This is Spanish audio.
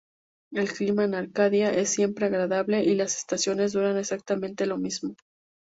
El clima en Arcadia es siempre agradable, y las estaciones duran exactamente lo mismo.